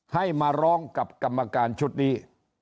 ให้มาร้องกับกรรมการชุดนี้